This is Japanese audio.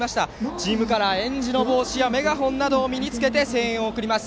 チームカラー、えんじの帽子やメガホンなどを身につけて声援を送ります。